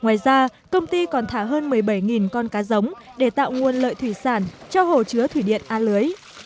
ngoài ra công ty còn thả hơn một mươi bảy con cá giống để tạo nguồn lợi thủy sản cho hồ chứa thủy điện a lưới